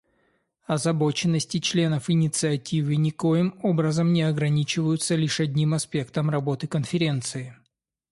Озабоченности членов Инициативы никоим образом не ограничиваются лишь одним аспектом работы Конференции.